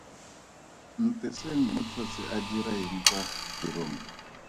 Nteseng o tlhotse a dira eng kwa tirong?